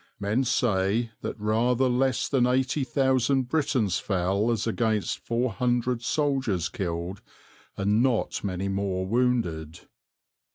Men say that rather less than eighty thousand Britons fell as against four hundred soldiers killed and not many more wounded."